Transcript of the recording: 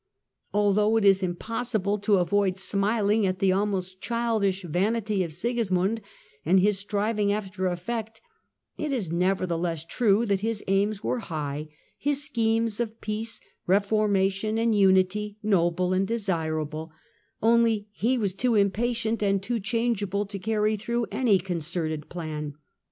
Although it is impossible to avoid smiling at the almost childish vanity of Sigismund, and his striving after effect, it is nevertheless true that his aims were high, his schemes of peace, reformation and unity, noble and desirable ; only he was too impatient and too change able to carry through any concerted plan.